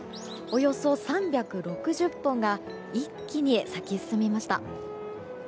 およそ３６０本が一気に咲き進みました。